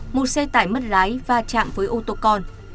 một xe tải mất lái va chạm với ô tô con